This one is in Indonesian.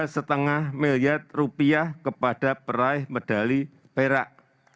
rp dua lima miliar kepada peraih medali perak